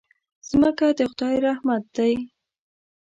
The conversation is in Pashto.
مځکه د خدای رحمت دی.